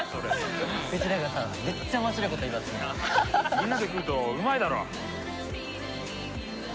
みんなで食うとうまいだろ。